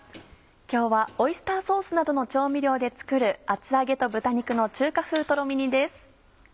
今日はオイスターソースなどの調味料で作る「厚揚げと豚肉の中華風とろみ煮」です。